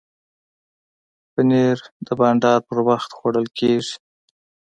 پنېر د بانډار پر وخت خوړل کېږي.